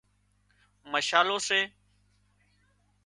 مشالو سي